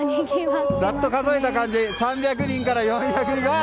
ざっと数えた感じ３００人から４００人。